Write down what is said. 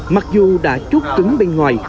mặc dù đã chút cứng bên ngoài